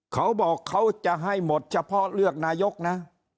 เขาบอกเขาจะให้หมดเฉพาะเลือกนายกนะ